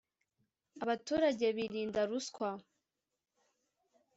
abaturage birinda ruswa.